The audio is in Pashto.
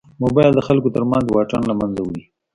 موبایل د خلکو تر منځ واټن له منځه وړي.